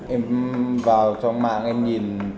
em vào trong mạng em nhìn